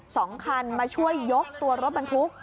สองคันมาช่วยยกตัวรถบรรทุก